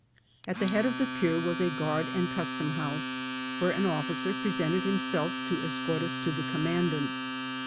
At the head of the pier was a guard and custom house, where an officer presented himself to escort us to the commandant.